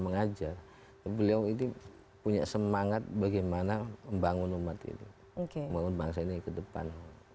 mengajar beliau ini punya semangat bagaimana membangun umat itu oke membangun bangsa ini ke depan